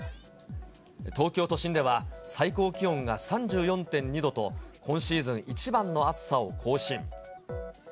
東京都心では最高気温が３４．２度と、今シーズン一番の暑さを更新。